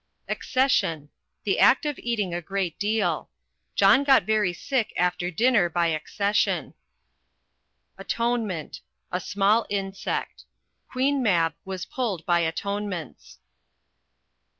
Accession The act of eating a great deal: John got very sick after dinner by accession. Atonement A small insect: Queen Mab was pulled by atonements.